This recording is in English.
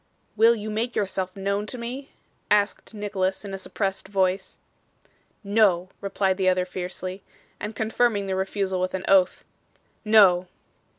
'Will you make yourself known to me?' asked Nicholas in a suppressed voice. 'No,' replied the other fiercely, and confirming the refusal with an oath. 'No.